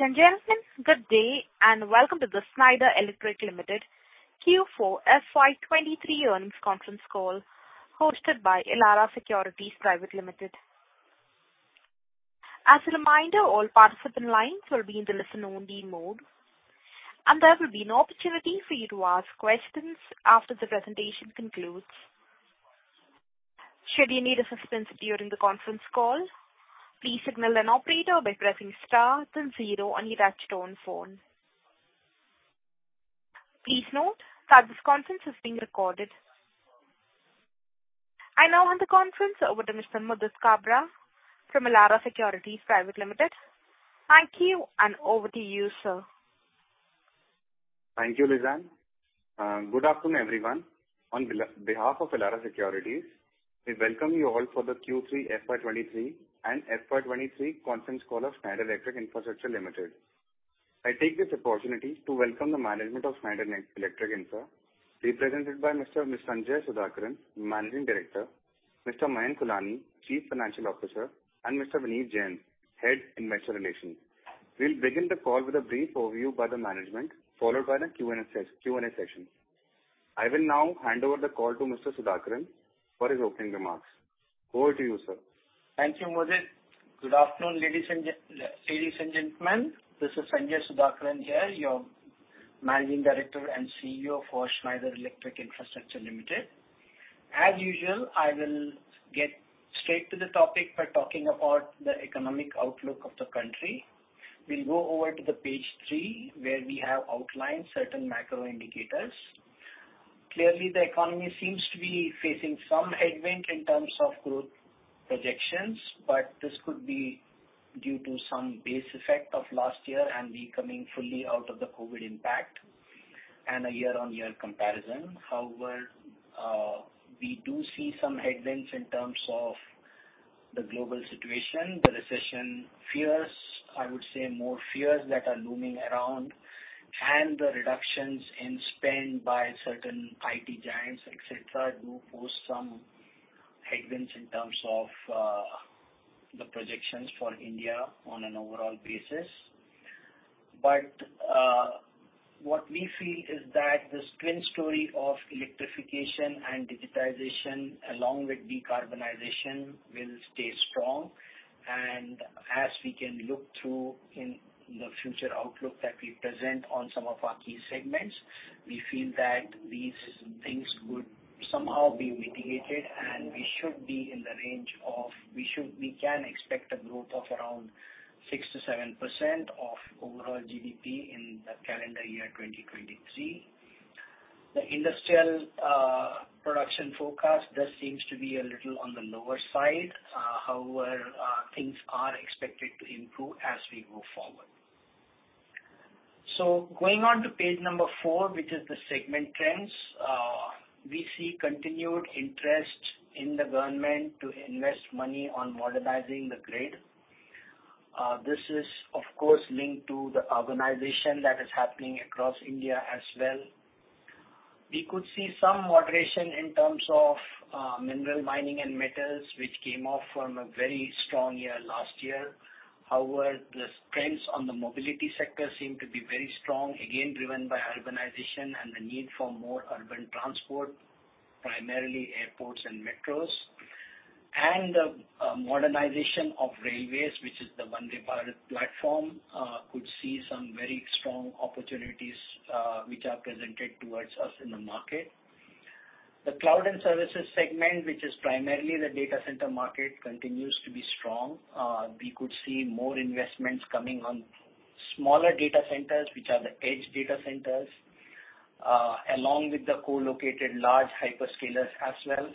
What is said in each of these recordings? Ladies and gentlemen, good day. Welcome to the Schneider Electric Infrastructure Limited Q4 FY 2023 earnings conference call hosted by Elara Securities Private Limited. As a reminder, all participant lines will be in the listen only mode. There will be an opportunity for you to ask questions after the presentation concludes. Should you need assistance during the conference call, please signal an operator by pressing star then zero on your touchtone phone. Please note that this conference is being recorded. I now hand the conference over to Mr. Mudit Kabra from Elara Securities Private Limited. Thank you. Over to you, sir. Thank you, Lizanne. Good afternoon, everyone. On behalf of Elara Securities, we welcome you all for the Q3 FY 23 and FY 23 conference call of Schneider Electric Infrastructure Limited. I take this opportunity to welcome the management of Schneider Electric Infrastructure, represented by Mr. Sanjay Sudhakaran, Managing Director, Mr. Mayank Holani, Chief Financial Officer, and Mr. Vineet Jain, Head Investor Relations. We'll begin the call with a brief overview by the management, followed by the Q&A session. I will now hand over the call to Mr. Sudhakaran for his opening remarks. Over to you, sir. Thank you, Mudit. Good afternoon, ladies and gentlemen, this is Sanjay Sudhakaran here, your Managing Director and CEO for Schneider Electric Infrastructure Limited. As usual, I will get straight to the topic by talking about the economic outlook of the country. We'll go over to the page three, where we have outlined certain macro indicators. Clearly, the economy seems to be facing some headwind in terms of growth projections, but this could be due to some base effect of last year and we coming fully out of the COVID impact and a year-on-year comparison. However, we do see some headwinds in terms of the global situation, the recession fears, I would say more fears that are looming around, and the reductions in spend by certain IT giants, et cetera, do pose some headwinds in terms of the projections for India on an overall basis. What we feel is that this twin story of electrification and digitization, along with decarbonization, will stay strong. As we can look through in the future outlook that we present on some of our key segments, we feel that these things would somehow be mitigated. We can expect a growth of around 6% to 7% of overall GDP in the calendar year 2023. The industrial production forecast does seems to be a little on the lower side. However, things are expected to improve as we move forward. Going on to page four, which is the segment trends, we see continued interest in the government to invest money on modernizing the grid. This is of course linked to the urbanization that is happening across India as well. We could see some moderation in terms of mineral mining and metals, which came off from a very strong year last year. The trends on the mobility sector seem to be very strong, again, driven by urbanization and the need for more urban transport, primarily airports and metros. Modernization of railways, which is the Vande Bharat platform, could see some very strong opportunities, which are presented towards us in the market. The cloud and services segment, which is primarily the data center market, continues to be strong. We could see more investments coming on smaller data centers, which are the edge data centers, along with the co-located large hyperscalers as well.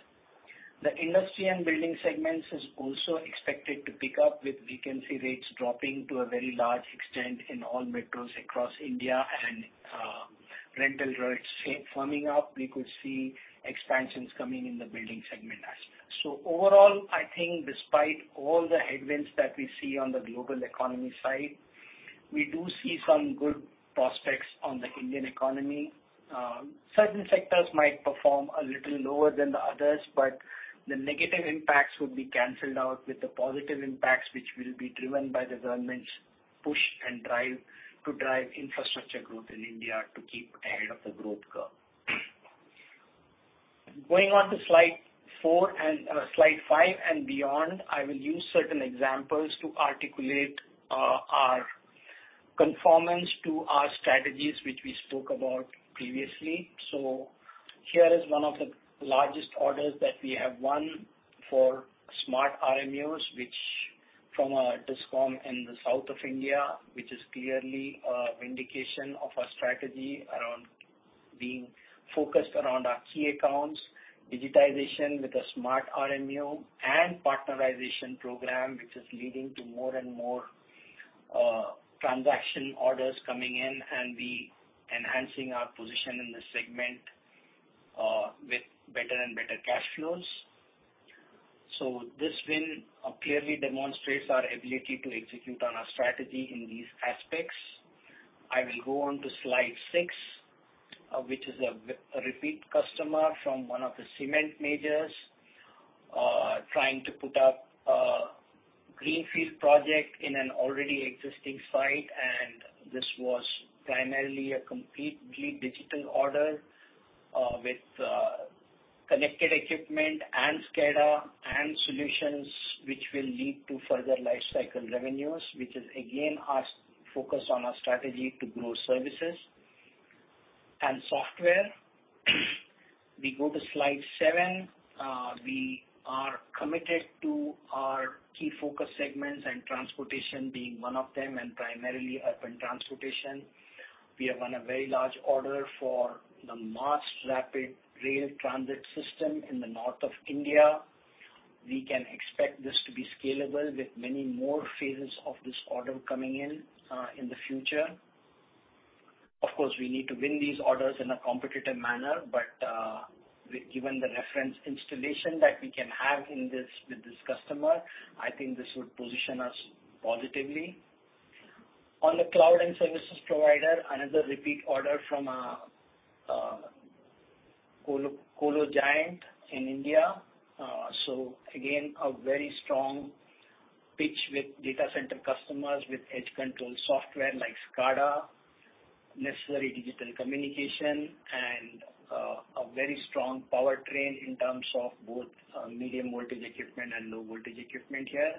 The industry and building segments is also expected to pick up, with vacancy rates dropping to a very large extent in all metros across India and rental rates firming up. We could see expansions coming in the building segment as well. Overall, I think despite all the headwinds that we see on the global economy side, we do see some good prospects on the Indian economy. Certain sectors might perform a little lower than the others, but the negative impacts would be cancelled out with the positive impacts, which will be driven by the government's push and drive to drive infrastructure growth in India to keep ahead of the growth curve. Going on to slide four and slide five and beyond, I will use certain examples to articulate our conformance to our strategies, which we spoke about previously. Here is one of the largest orders that we have won for smart RMUs, which from a DISCOM in the south of India, which is clearly a vindication of our strategy around being focused around our key accounts, digitization with a smart RMU and partnerization program, which is leading to more and more transaction orders coming in and we enhancing our position in the segment with better and better cash flows. This win clearly demonstrates our ability to execute on our strategy in these aspects. I will go on to slide six, which is a repeat customer from one of the cement majors, trying to put up a greenfield project in an already existing site, and this was primarily a completely digital order, with connected equipment and SCADA and solutions which will lead to further life cycle revenues, which is again us focused on our strategy to grow services. Software, we go to slide seven. We are committed to our key focus segments and transportation being one of them, and primarily urban transportation. We have won a very large order for the Mass Rapid Rail Transit system in the north of India. We can expect this to be scalable with many more phases of this order coming in in the future. Given the reference installation that we can have in this, with this customer, I think this would position us positively. On the cloud and services provider, another repeat order from a colo giant in India. Again, a very strong pitch with data center customers with edge control software like SCADA, necessary digital communication and a very strong powertrain in terms of both medium voltage equipment and low voltage equipment here.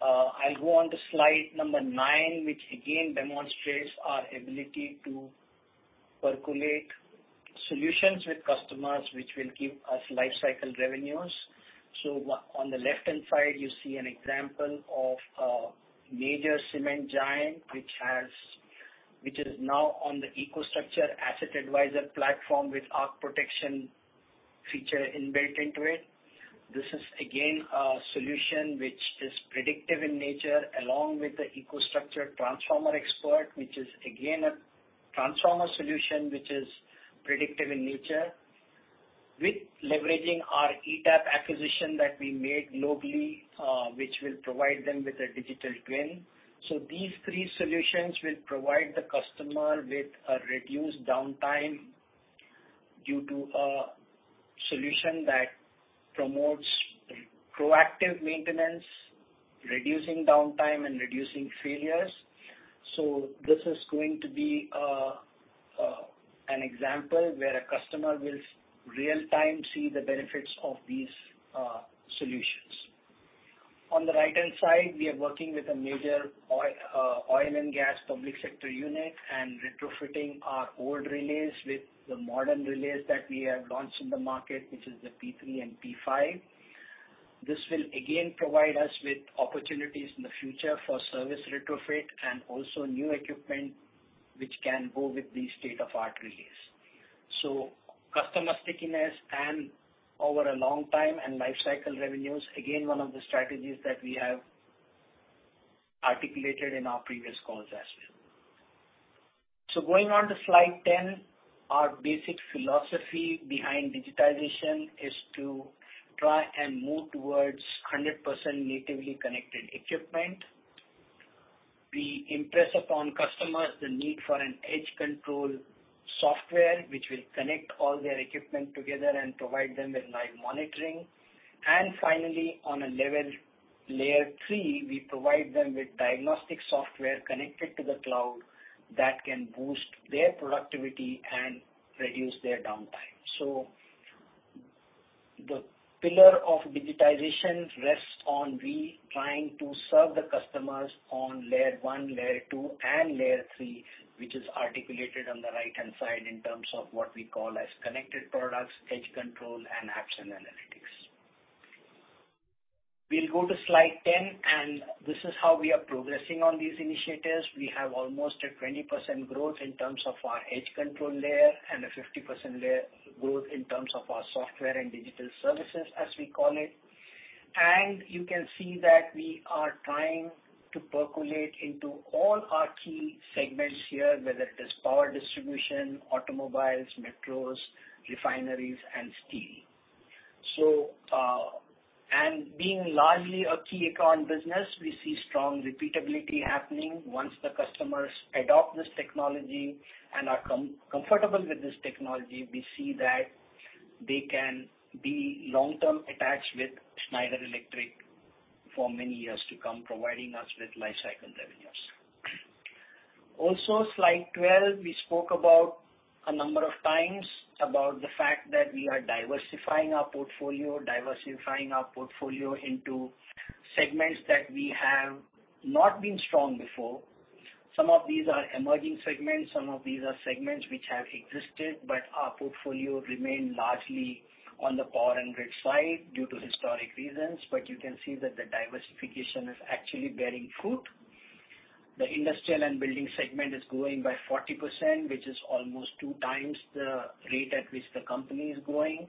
I'll go on to slide number nine, which again demonstrates our ability to percolate solutions with customers, which will give us life cycle revenues. On the left-hand side, you see an example of a major cement giant which is now on the EcoStruxure Asset Advisor platform with arc protection feature inbuilt into it. This is again a solution which is predictive in nature, along with the EcoStruxure Transformer Expert, which is again a transformer solution which is predictive in nature, with leveraging our ETAP acquisition that we made globally, which will provide them with a digital twin. These three solutions will provide the customer with a reduced downtime due to a solution that promotes proactive maintenance, reducing downtime and reducing failures. This is going to be an example where a customer will real time see the benefits of these solutions. On the right-hand side, we are working with a major oil and gas public sector unit and retrofitting our old relays with the modern relays that we have launched in the market, which is the P3 and P5. This will again provide us with opportunities in the future for service retrofit and also new equipment which can go with these state-of-the-art relays. Customer stickiness and over a long time and life cycle revenues, again, one of the strategies that we have articulated in our previous calls as well. Going on to slide 10. Our basic philosophy behind digitization is to try and move towards 100% natively connected equipment. We impress upon customers the need for an edge control software which will connect all their equipment together and provide them with live monitoring. Finally, on a level layer three, we provide them with diagnostic software connected to the cloud that can boost their productivity and reduce their downtime. The pillar of digitization rests on we trying to serve the customers on layer one, layer two, and layer three, which is articulated on the right-hand side in terms of what we call as connected products, edge control and apps and analytics. We'll go to slide 10, and this is how we are progressing on these initiatives. We have almost a 20% growth in terms of our edge control layer and a 50% layer growth in terms of our software and digital services, as we call it. You can see that we are trying to percolate into all our key segments here, whether it is power distribution, automobiles, metros, refineries and steel. Being largely a key account business, we see strong repeatability happening once the customers adopt this technology and are comfortable with this technology, we see that they can be long-term attached with Schneider Electric for many years to come, providing us with life cycle revenues. Slide 12, we spoke about a number of times about the fact that we are diversifying our portfolio, diversifying our portfolio into segments that we have not been strong before. Some of these are emerging segments. Some of these are segments which have existed, our portfolio remained largely on the power and grid side due to historic reasons. You can see that the diversification is actually bearing fruit. The industrial and building segment is growing by 40%, which is almost 2x the rate at which the company is growing.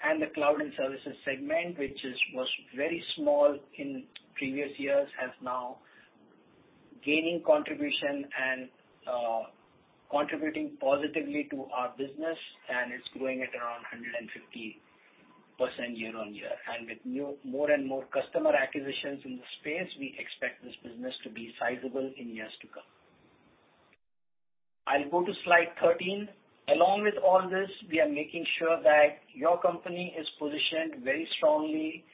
The cloud and services segment, which was very small in previous years, has now gaining contribution and contributing positively to our business, and it's growing at around 150% year-on-year. With more and more customer acquisitions in the space, we expect this business to be sizable in years to come. I'll go to slide 13. Along with all this, we are making sure that your company is positioned very strongly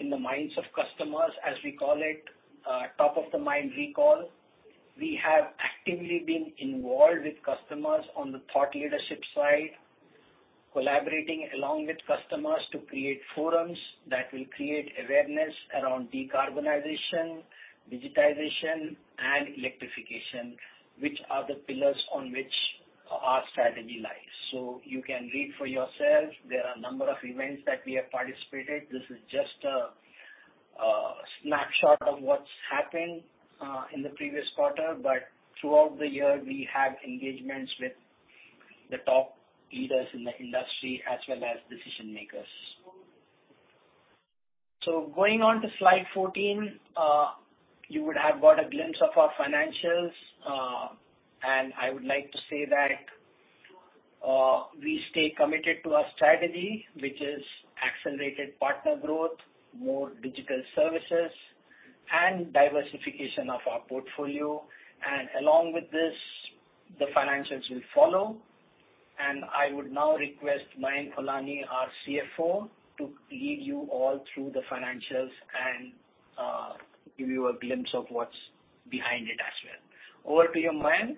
in the minds of customers, as we call it, top of the mind recall. We have actively been involved with customers on the thought leadership side, collaborating along with customers to create forums that will create awareness around decarbonization, digitization, and electrification, which are the pillars on which our strategy lies. You can read for yourself. There are a number of events that we have participated. This is just a snapshot of what's happened in the previous quarter. Throughout the year, we had engagements with the top leaders in the industry as well as decision-makers. Going on to slide 14, you would have got a glimpse of our financials. I would like to say that, we stay committed to our strategy, which is accelerated partner growth, more digital services, and diversification of our portfolio. Along with this, the financials will follow. I would now request Mayank Holani, our CFO, to lead you all through the financials and give you a glimpse of what's behind it as well. Over to you, Mayank.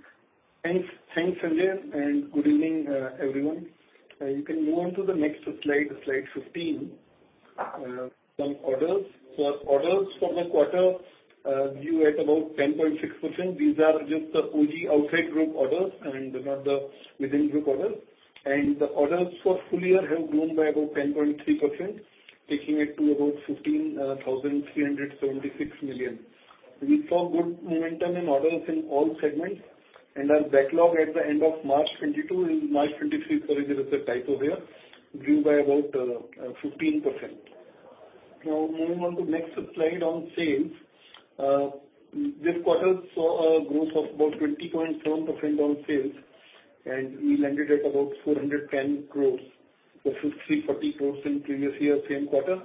Thanks. Thanks, Sandeep, good evening, everyone. You can move on to the next slide 15. Some orders. Our orders for the quarter grew at about 10.6%. These are just the OG outside group orders and not the within group orders. The orders for full year have grown by about 10.3%, taking it to about 15,376 million. We saw good momentum in orders in all segments, our backlog at the end of March 2022 is March 2023, sorry, there is a typo there, grew by about 15%. Moving on to next slide on sales. This quarter saw a growth of about 20.1% on sales, we landed at about 410 crores versus 340 crores in previous year same quarter.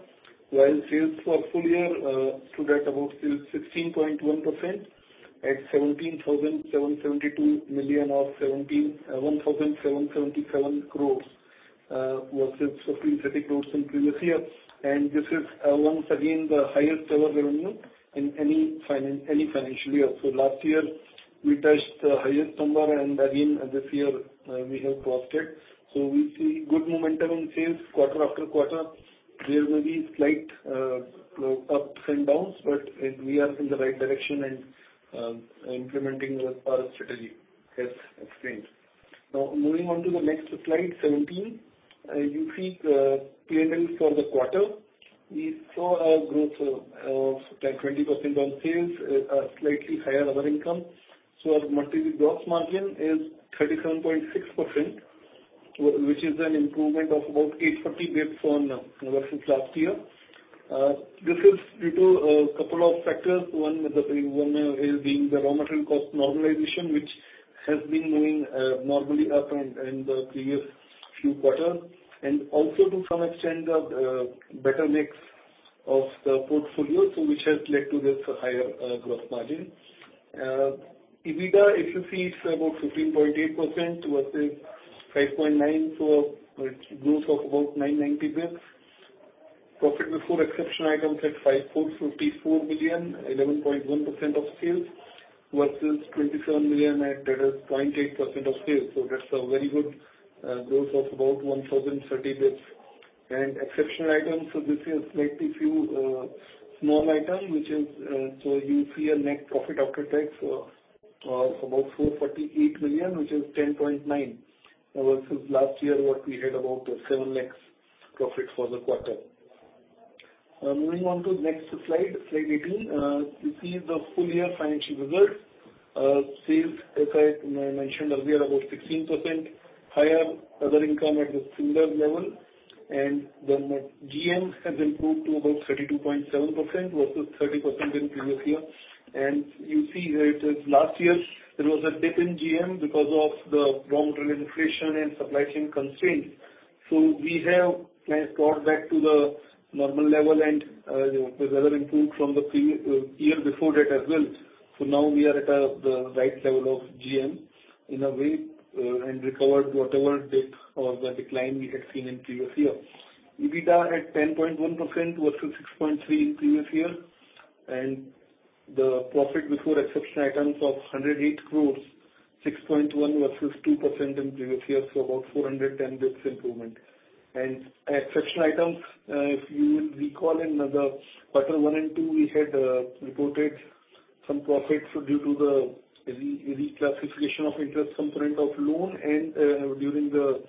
While sales for full year stood at about 16.1% at 17,772 million or 1,777 crores versus 330 crores in previous year. This is once again the highest ever revenue in any financial year. Last year we touched the highest number and again this year we have crossed it. We see good momentum in sales quarter after quarter. There may be slight ups and downs, but we are in the right direction and implementing our strategy as explained. Moving on to the next slide, 17. You see the P&L for the quarter. We saw a growth of like 20% on sales, slightly higher other income. Our multi-gross margin is 37.6%, which is an improvement of about 830 basis points from versus last year. This is due to a couple of factors. One, the primary one, is the raw material cost normalization, which has been moving normally up in the previous few quarters. Also to some extent, the better mix of the portfolio so which has led to this higher gross margin. EBITDA, if you see it's about 15.8% versus 5.9%. A growth of about 990 basis points. Profit before exception items at 5.54 million, 11.1% of sales versus 27 million at that is 0.8% of sales. That's a very good growth of about 1,030 basis points. Exceptional items, this is slightly few, small item which is, you see a net profit after tax of about 448 million, which is 10.9 versus last year what we had about 7 lakhs profit for the quarter. Moving on to next slide 18. You see the full year financial results. Sales, as I mentioned earlier, about 16% higher. Other income at a similar level. The GM has improved to about 32.7% versus 30% in previous year. You see here it is last year there was a dip in GM because of the raw material inflation and supply chain constraints. We have, kind of, got back to the normal level and the weather improved from the year before that as well. Now we are at the right level of GM in a way, and recovered whatever dip or the decline we had seen in previous year. EBITDA at 10.1% versus 6.3% previous year. The profit before exception items of 108 crores, 6.1% versus 2% in previous year, so about 410 basis points improvement. Exception items, if you recall in the quarter one and two, we had reported some profits due to the reclassification of interest component of loan and during the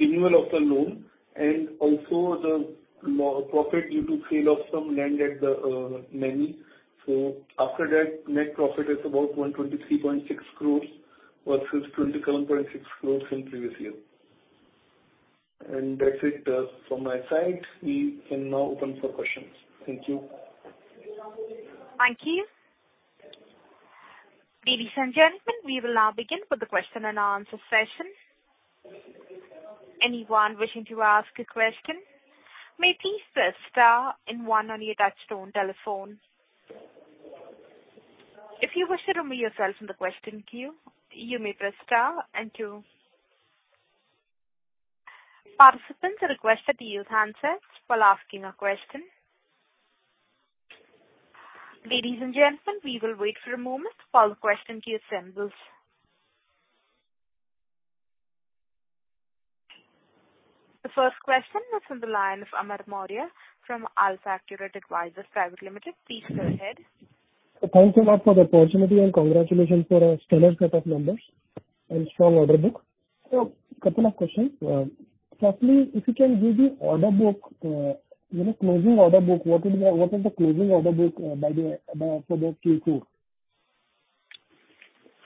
annual of the loan, and also the profit due to sale of some land at the Naini. After that, net profit is about 123.6 crores versus 21.6 crores in previous year. That's it from my side. We can now open for questions. Thank you. Thank you. Ladies and gentlemen, we will now begin with the question and answer session. Anyone wishing to ask a question may please press star and one on your touchtone telephone. If you wish to remove yourself from the question queue, you may press star and two. Participants are requested to use handsets while asking a question. Ladies and gentlemen, we will wait for a moment while the question queue assembles. The first question is on the line of Amar Maurya from AlfAccurate Advisors Private Limited. Please go ahead. Thanks a lot for the opportunity and congratulations for a stellar set of numbers and strong order book. Couple of questions. Firstly, if you can give the order book, you know, closing order book, what is the closing order book, by the, by, for the Q2?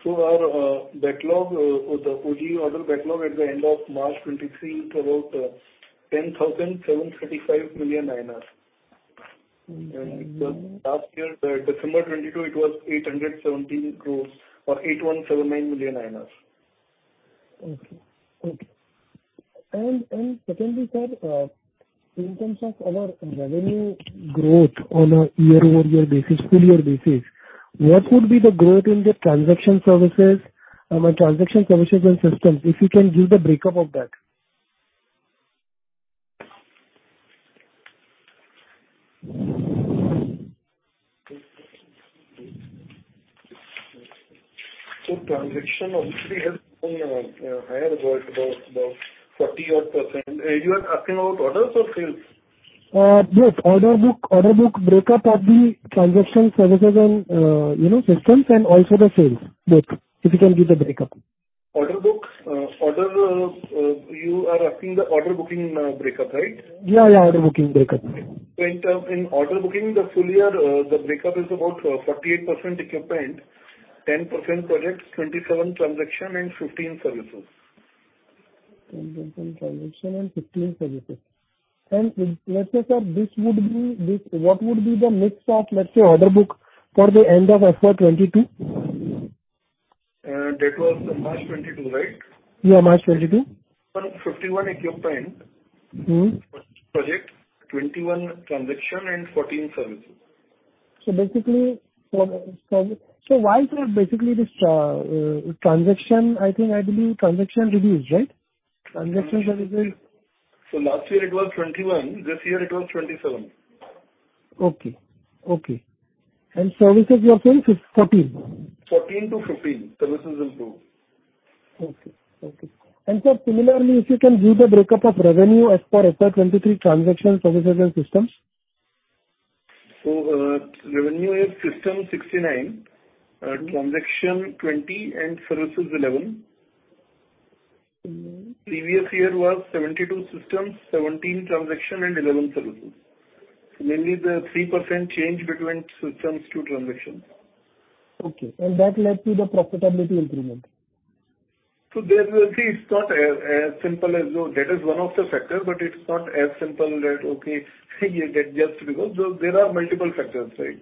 Our backlog, for the OG order backlog at the end of March 23 was about 10,735 million INR. Mm-hmm. Last year, December 2022 it was 817 crores or 8,179 million INR. Okay. Okay. Secondly, sir, in terms of our revenue growth on a year-over-year basis, full year basis, what would be the growth in the transaction services, I mean, transaction services and systems, if you can give the breakup of that. Transaction obviously has been higher growth, about 40% odd. You are asking about orders or sales? Both. Order book breakup of the transaction services and, you know, systems and also the sales both. If you can give the breakup. You are asking the order booking breakup, right? Yeah, yeah. Order booking breakup. In order booking the full year, the breakup is about, 48% equipment, 10% projects, 27 transaction and 15 services. 10% transaction and 15 services. Let's say, sir, what would be the mix of, let's say, order book for the end of FY2022? That was March 2022, right? Yeah, March 2022. 151 equipment. Mm-hmm. Project 21 transaction and 14 services. Basically from service... Why, sir, basically this transaction I think, I believe transaction reduced, right? Transaction reduced. last year it was 21, this year it was 27. Okay. Okay. Services you are saying is 14? 14 to 15. Services improved. Okay. Okay. Sir, similarly, if you can give the breakup of revenue as per FY 2023 transaction services and systems? Revenue is system 69, transaction 20 and services 11. Mm-hmm. Previous year was 72 systems, 17 transaction and 11 services. Mainly the 3% change between systems to transactions. Okay. That led to the profitability improvement. It's not as simple as though. That is one of the factor, but it's not as simple that, okay, you get just because. There are multiple factors, right?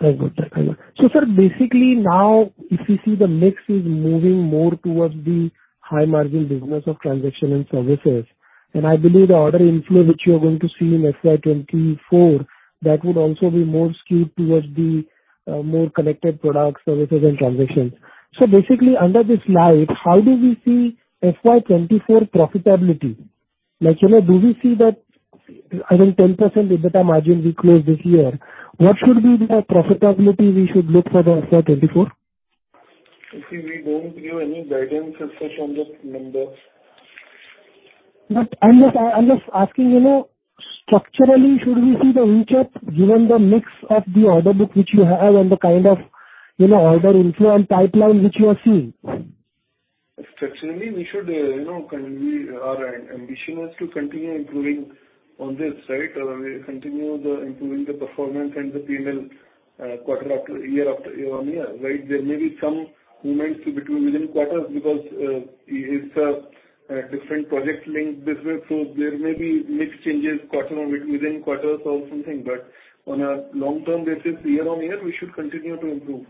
I got that. I got. Sir, basically now if you see the mix is moving more towards the high margin business of transaction and services, and I believe the order inflow which you are going to see in FY 2024, that would also be more skewed towards the more connected product services and transactions. Basically under this light, how do we see FY 2024 profitability? Like, you know, do we see that, I mean, 10% EBITDA margin we closed this year. What should be the profitability we should look for the FY 2024? You see, we don't give any guidance as such on the numbers. I'm just asking, you know, structurally should we see the inch up given the mix of the order book which you have and the kind of, you know, order inflow and pipeline which you are seeing? Structure we should, you know, Our ambition is to continue improving on this, right? We continue the improving the performance and the P&L, quarter after year after year on year, right? There may be some movements between within quarters because it's a different project link business, so there may be mix changes quarter or within quarters or something. On a long-term basis, year on year, we should continue to improve.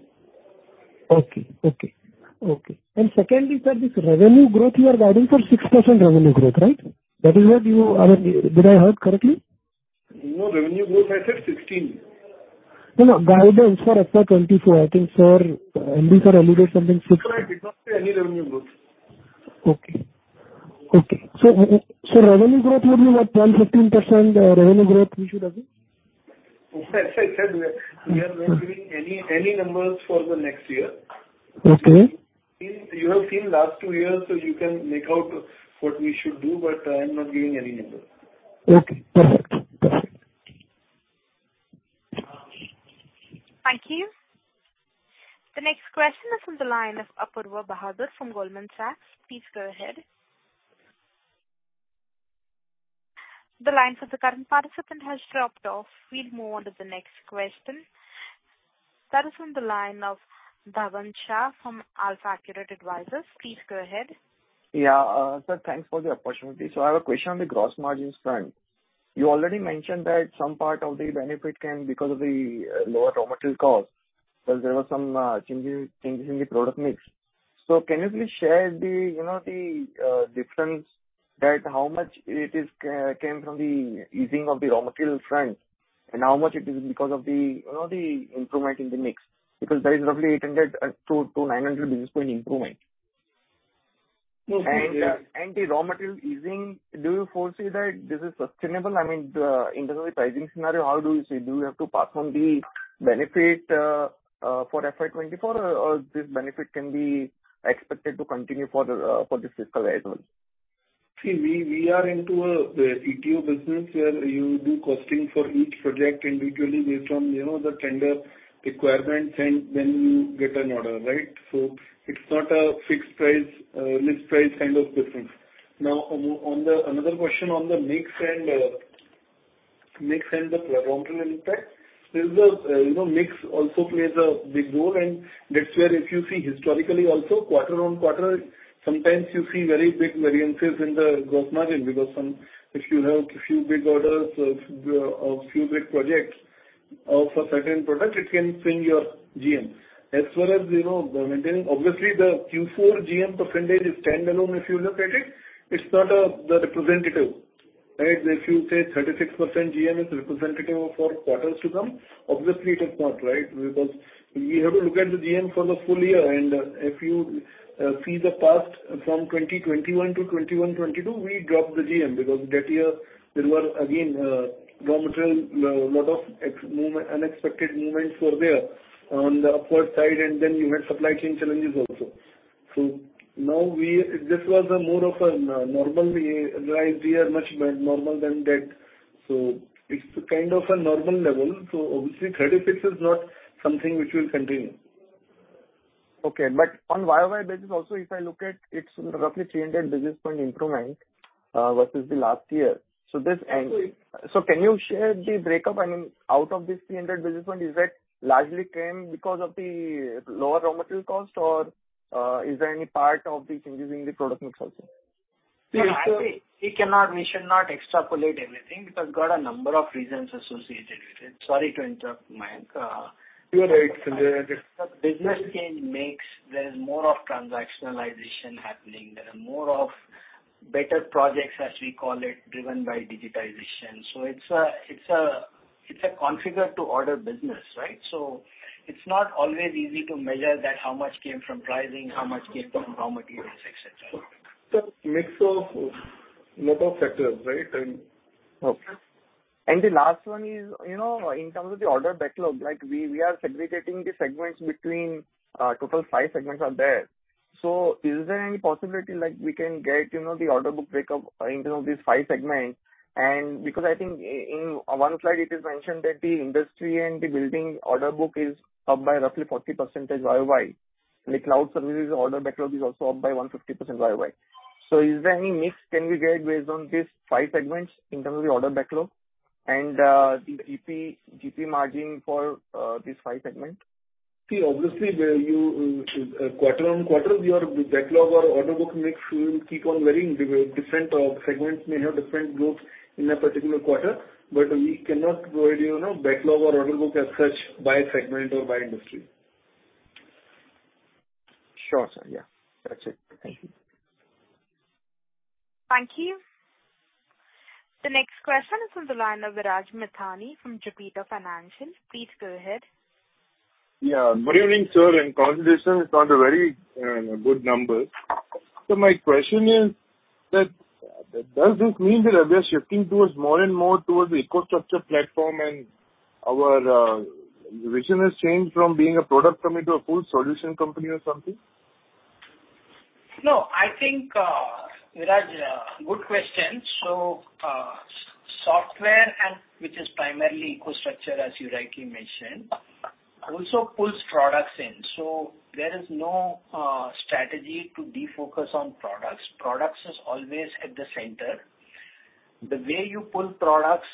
Okay. Okay. Okay. Secondly, sir, this revenue growth you are guiding for 6% revenue growth, right? That is what I mean, did I heard correctly? No revenue growth, I said 16%. No, no. Guidance for FY 2024. I think sir, MD sir alluded something. No, I did not say any revenue growth. Okay. Okay. Revenue growth would be what? 10-15% revenue growth we should assume? As I said, we are not giving any numbers for the next year. Okay. You have seen last two years, so you can make out what we should do, but I'm not giving any numbers. Okay. Perfect. Perfect. Thank you. The next question is on the line of Apoorva Bahadur from Goldman Sachs. Please go ahead. The lines of the current participant has dropped off. We'll move on to the next question. That is on the line of Darshan Shah from AlfAccurate Advisors. Please go ahead. Yeah. Sir, thanks for the opportunity. I have a question on the gross margins front. You already mentioned that some part of the benefit came because of the lower raw material cost, but there were some changes in the product mix. Can you please share the, you know, the difference that how much it is came from the easing of the raw material front, and how much it is because of the, you know, the improvement in the mix? Because there is roughly 800-900 basis point improvement. Yes, we can. The raw material easing, do you foresee that this is sustainable? I mean, in terms of pricing scenario, how do you see? Do you have to pass on the benefit for FY 2024, or this benefit can be expected to continue for this fiscal as well? See, we are into an ETO business where you do costing for each project individually based on, you know, the tender requirements, and then you get an order, right? It's not a fixed price, list price kind of business. Another question on the mix and mix and the raw material impact. There is a, you know, mix also plays a big role. That's where if you see historically also, quarter-on-quarter, sometimes you see very big variances in the gross margin because if you have a few big orders or a few big projects of a certain product, it can swing your GM. As well as, you know, the maintaining. Obviously, the Q4 GM % is INR 10 million, if you look at it's not a, the representative, right? If you say 36% GM is representative of four quarters to come, obviously it is not, right? We have to look at the GM for the full year. If you see the past from 2021 to 2022, we dropped the GM because that year there were again raw material, a lot of unexpected movements were there on the upward side, and then you had supply chain challenges also. This was a more of a normal year, right. We are much more normal than that, it's kind of a normal level. Obviously 36 is not something which will continue. Okay. On Y-o-Y basis also, if I look at, it's roughly 300 basis point improvement versus the last year. Absolutely. Can you share the breakup? I mean, out of this 300 basis points, is that largely came because of the lower raw material cost or, is there any part of the changes in the product mix also? See, it's. Actually, we cannot, we should not extrapolate everything. It has got a number of reasons associated with it. Sorry to interrupt, Mayank. You're right. The business change makes there is more of transactionalization happening. There are more of better projects, as we call it, driven by digitization. It's a configure-to-order business, right? It's not always easy to measure that how much came from pricing, how much came from raw materials, et cetera. It's a mix of lot of factors, right? Okay. The last one is, you know, in terms of the order backlog, like we are segregating the segments between total five segments are there. Is there any possibility like we can get, you know, the order book breakup in terms of these five segments? Because I think in one slide it is mentioned that the industry and the building order book is up by roughly 40% Y-o-Y. The cloud services order backlog is also up by 150% Y-o-Y. Is there any mix can we get based on these five segments in terms of the order backlog and the GP margin for these five segments? See, obviously where you, quarter-on-quarter, the backlog or order book mix will keep on varying. The different segments may have different growth in a particular quarter. We cannot provide you know, backlog or order book as such by segment or by industry. Sure, sir. Yeah. That's it. Thank you. Thank you. The next question is on the line of Viraj Mithani from Jupiter Financial. Please go ahead. Yeah. Good evening, sir. Consolidation is not a very good number. My question is that, does this mean that we are shifting towards more and more towards the EcoStruxure platform and our vision has changed from being a product company to a full solution company or something? I think, Viraj, good question. Software and which is primarily EcoStruxure, as you rightly mentioned, also pulls products in. There is no strategy to defocus on products. Products is always at the center. The way you pull products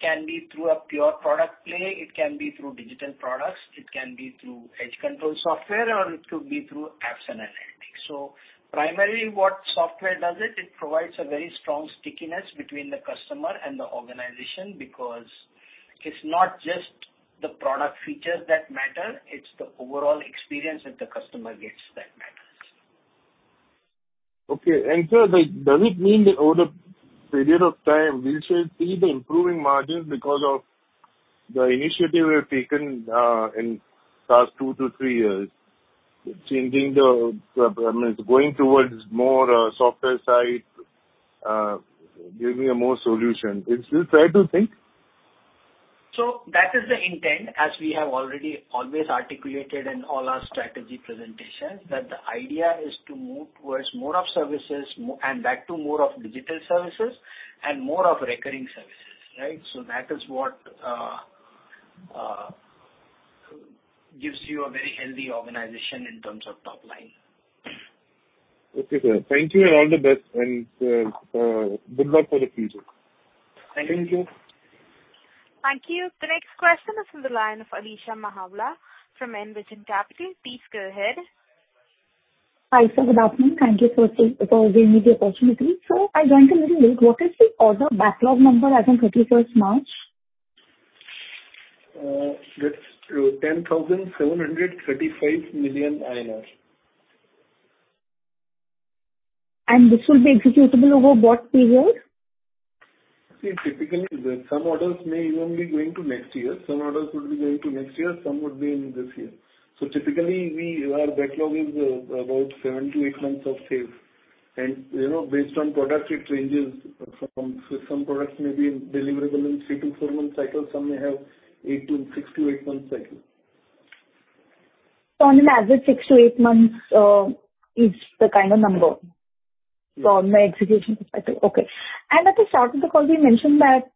can be through a pure product play, it can be through digital products, it can be through edge control software, or it could be through apps and analytics. Primarily what software does it provides a very strong stickiness between the customer and the organization because it's not just the product features that matter, it's the overall experience that the customer gets that matters. Okay. sir, like, does it mean that over period of time we shall see the improving margins because of the initiative we have taken, in past two to three years, changing the, I mean, going towards more, software side, giving a more solution, is this right to think? That is the intent, as we have already always articulated in all our strategy presentations, that the idea is to move towards more of services and back to more of digital services and more of recurring services, right? That is what gives you a very healthy organization in terms of top line. Okay, sir. Thank you and all the best and good luck for the future. Thank you. Thank you. Thank you. The next question is from the line of Alisha Mahawla from Envision Capital. Please go ahead. Hi, sir. Good afternoon. Thank you for giving me the opportunity. I joined a little late. What is the order backlog number as on March 31st? That's INR 10,735 million. This will be executable over what period? Typically the some orders may even be going to next year. Some orders could be going to next year, some would be in this year. Typically Our backlog is about seven to eight months of sales. You know, based on product, it ranges from some products may be deliverable in three to four months cycle, some may have six to eight months cycle. On an average, six-eight months is the kind of number from the execution cycle. Okay. At the start of the call you mentioned that,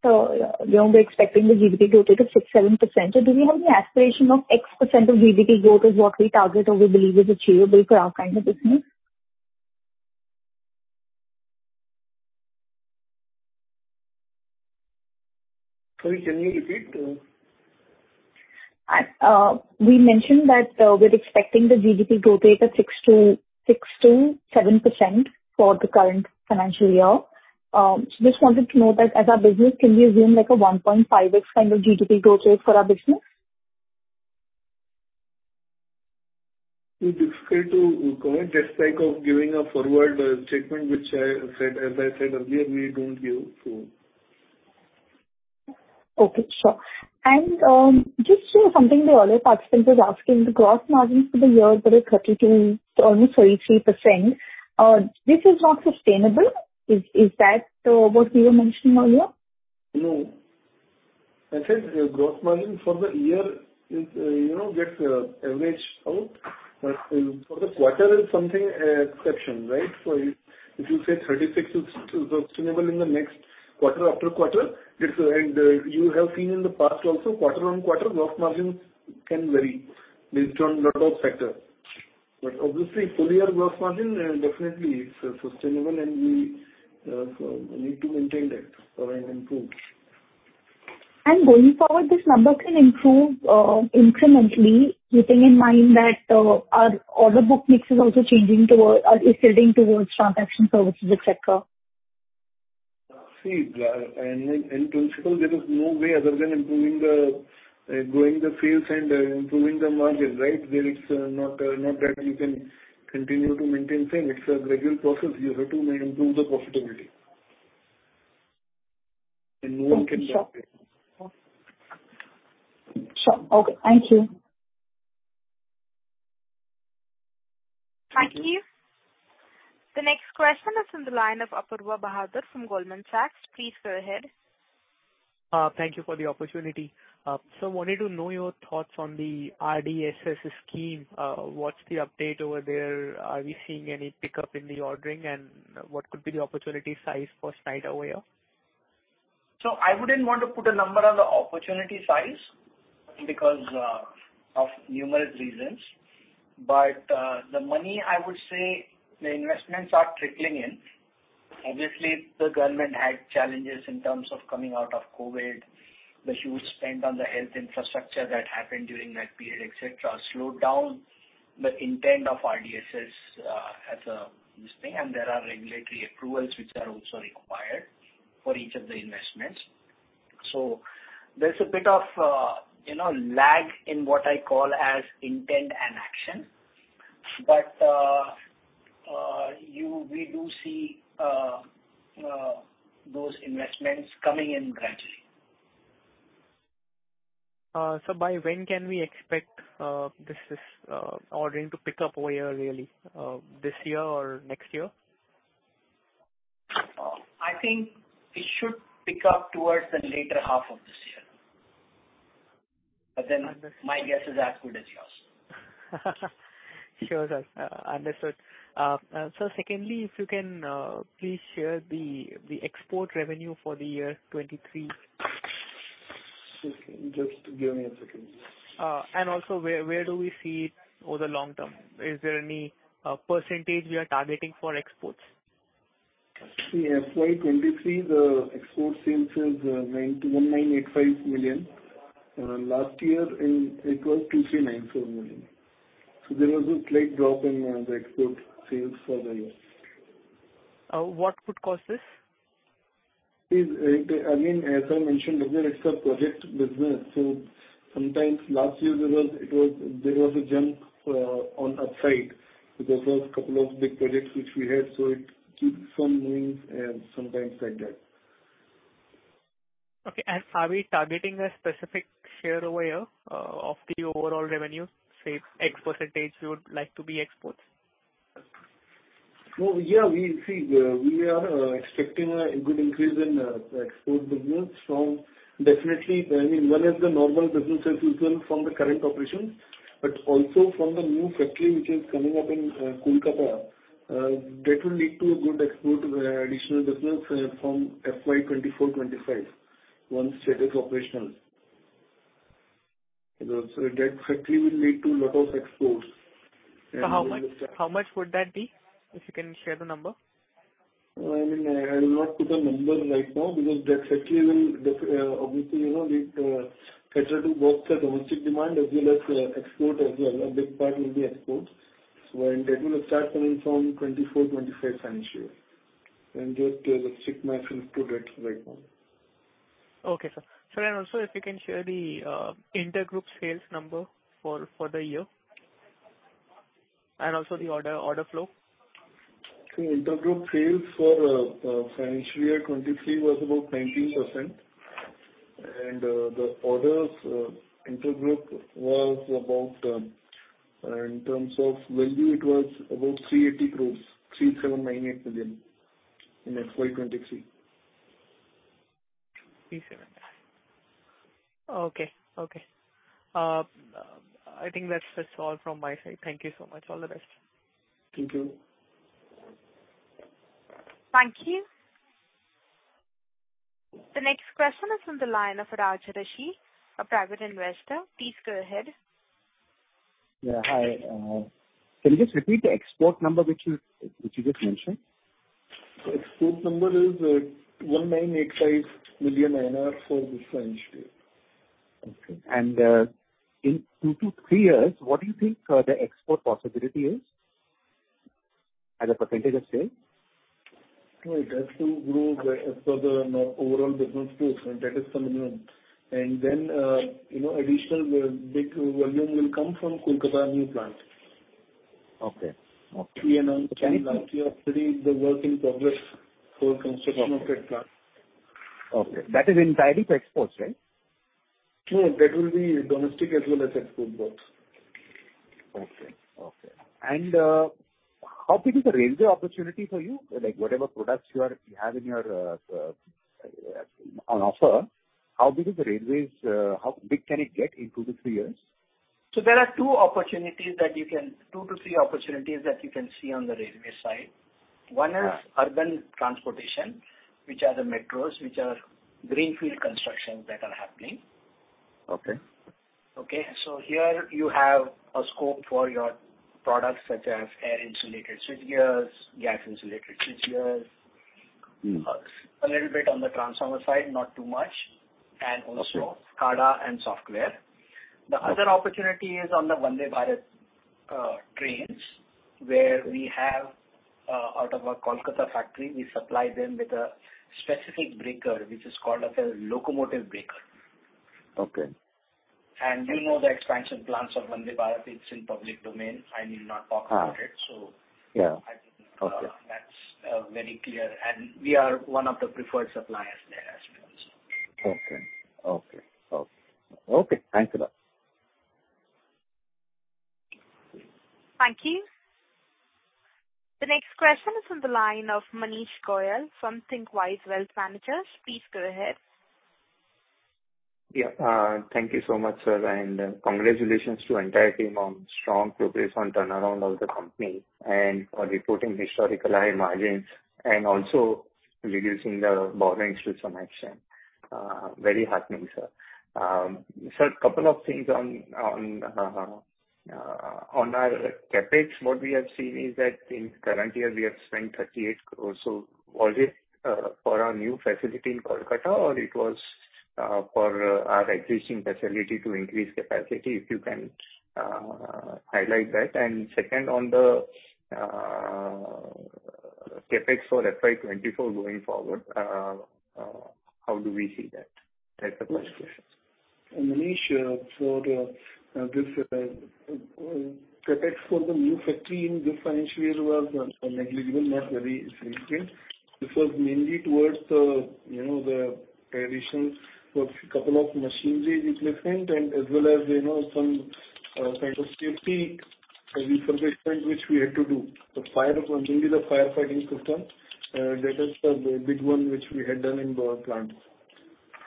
you know, we're expecting the GDP growth rate of 6%-7%. Do we have any aspiration of X percentage of GDP growth is what we target or we believe is achievable for our kind of business? Sorry, can you repeat? We mentioned that we're expecting the GDP growth rate of 6%-7% for the current financial year. Just wanted to know that as our business can we assume like a 1.5X kind of GDP growth rate for our business? It's difficult to comment. Just like of giving a forward statement which I said, as I said earlier, we don't give, so. Okay, sure. Just something the other participant was asking, the gross margins for the year were 32%, almost 33%. This is not sustainable. Is that what you were mentioning earlier? No. I said the gross margin for the year is, you know, gets averaged out. For the quarter it's something exception, right? If you say 36 is sustainable in the next quarter after quarter, it's. You have seen in the past also quarter-on-quarter gross margins can vary based on lot of factor. Obviously full-year gross margin definitely is sustainable and we need to maintain that or improve. Going forward this number can improve incrementally, keeping in mind that our order book mix is also changing toward or is tilting towards transaction services, et cetera. See, in principle there is no way other than improving the, growing the sales and improving the margin, right? There is not that you can continue to maintain same. It's a gradual process. You have to improve the profitability. No one can doubt that. Sure. Okay. Thank you. Thank you. The next question is from the line of Apoorva Bahadur from Goldman Sachs. Please go ahead. Thank you for the opportunity. Wanted to know your thoughts on the RDSS scheme. What's the update over there? Are we seeing any pickup in the ordering and what could be the opportunity size for Schneider over here? I wouldn't want to put a number on the opportunity size because of numerous reasons. The money I would say the investments are trickling in. Obviously the government had challenges in terms of coming out of COVID. The huge spend on the health infrastructure that happened during that period, et cetera, slowed down the intent of RDSS as a scheme. There are regulatory approvals which are also required for each of the investments. There's a bit of, you know, lag in what I call as intent and action. We do see those investments coming in gradually. By when can we expect this ordering to pick up over here really? This year or next year? I think it should pick up towards the later half of this year. My guess is as good as yours. Sure, sir. Understood. Secondly, if you can, please share the export revenue for the year 2023. Just give me a second. Also where do we see it over the long term? Is there any percentage we are targeting for exports? FY 2023 the export sales is 91,985 million. Last year it was 2,394 million. There was a slight drop in the export sales for the year. What could cause this? I mean as I mentioned earlier it's a project business, sometimes last year there was a jump on upside because of couple of big projects which we had, so it keeps on moving and sometimes like that. Okay. Are we targeting a specific share over here, of the overall revenue? Say X percentage we would like to be exports. Yeah, we see, we are, expecting a good increase in the export business from definitely, I mean one is the normal business as usual from the current operations, but also from the new factory which is coming up in Kolkata. That will lead to a good export, additional business from FY 2024-2025 once set as operational. You know, so that factory will lead to lot of exports. How much would that be? If you can share the number. I mean, I will not put a number right now because that factory will obviously, you know, it cater to both the domestic demand as well as export as well. A big part will be export. That will start coming from 2024, 2025 financial. That is a strict match input at right now. Okay, Sir. Sir, if you can share the intergroup sales number for the year and also the order flow. Intergroup sales for financial year 2023 was about 19%. The orders, intergroup was about in terms of WLDI, it was about 380 crores, 3,798 million in FY 2023. 379. Okay. Okay. I think that's all from my side. Thank you so much. All the best. Thank you. Thank you. The next question is from the line of Raj Rishi, a private investor. Please go ahead. Yeah, hi. Can you just repeat the export number which you just mentioned? Export number is, 1,985 million for this financial year. Okay. In two-three years, what do you think, the export possibility is as a percentage of sales? No, it has to grow, as per the, you know, overall business growth, and that is coming in. You know, additional, big volume will come from Kolkata new plant. Okay. Okay. We announced recently the work in progress for construction of that plant. Okay. That is entirely for exports, right? No, that will be domestic as well as export both. Okay. Okay. How big is the railway opportunity for you? Like, whatever products you have in your on offer, how big is the railways? How big can it get in two-three years? Two-three opportunities that you can see on the railway side. Uh-huh. One is urban transportation, which are the metros, which are greenfield constructions that are happening. Okay. Okay? Here you have a scope for your products such as air insulated switchgears, gas insulated switchgears. Mm-hmm. A little bit on the transformer side, not too much, and also. Sure. SCADA and software. The other opportunity is on the Vande Bharat trains, where we have out of our Kolkata factory, we supply them with a specific breaker, which is called as a locomotive breaker. Okay. You know the expansion plans of Vande Bharat, it's in public domain. I need not talk about it. Ah. So- Yeah. Okay. I think, that's very clear. We are one of the preferred suppliers there as well, so. Okay. Okay. Okay. Thanks a lot. Thank you. The next question is from the line of Manish Goyal from Thinqwise Wealth Managers. Please go ahead. Thank you so much, sir, congratulations to entire team on strong progress on turnaround of the company and for reporting historical high margins and also reducing the borrowings through some action. Very heartening, sir. Sir couple of things on our CapEx. What we have seen is that in current year we have spent 38 crore. Was it for our new facility in Kolkata, or it was for our existing facility to increase capacity? If you can highlight that. Second, on the CapEx for FY 2024 going forward, how do we see that? That's the first question. Manish, for this CapEx for the new factory in this financial year was negligible, not very significant. This was mainly towards, you know, the additions for couple of machinery replacement and as well as, you know, some kind of safety refurbishment which we had to do. The fire, mainly the firefighting system, that is the big one which we had done in both plants.